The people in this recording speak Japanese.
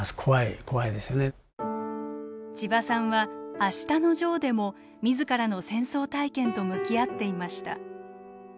ちばさんは「あしたのジョー」でも自らの戦争体験と向き合っていました。